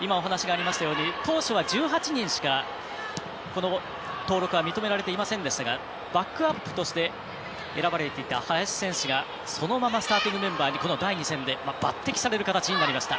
当初は１８人しか登録は認められていませんでしたがバックアップとして選ばれていた林選手がそのままスターティングメンバーに抜てきされる形になりました。